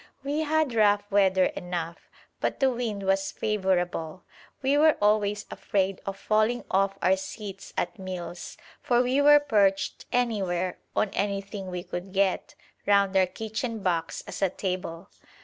We had rough weather enough, but the wind was favourable. We were always afraid of falling off our seats at meals, for we were perched anywhere, on anything we could get, round our kitchen box as a table.